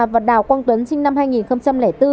và đào quang tuấn sinh năm hai nghìn bốn